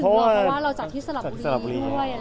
เพราะว่าเราจัดที่สลับบุรีมาด้วย